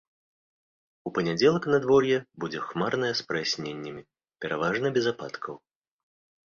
У панядзелак надвор'е будзе хмарнае з праясненнямі, пераважна без ападкаў.